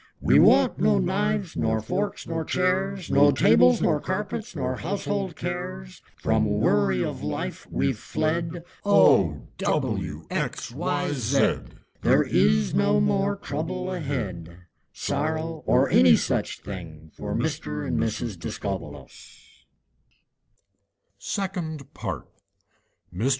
We want no knives nor forks nor chairs, No tables nor carpets nor household cares; From worry of life we've fled; Oh! W! X! Y! Z! There is no more trouble ahead, Sorrow or any such thing, For Mr. and Mrs. Discobbolos!" THE QUANGLE WANGLE'S HAT.